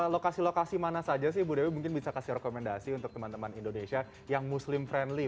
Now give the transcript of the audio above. lokasi lokasi mana saja sih ibu dewi mungkin bisa kasih rekomendasi untuk teman teman indonesia yang muslim friendly